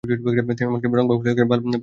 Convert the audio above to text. এগুলি এমন রঙ যা মুসলিম বালুচ গুরুত্ব বহন করে।